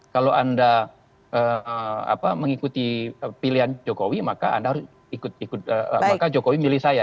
kalau anda mengikuti pilihan jokowi maka jokowi milih saya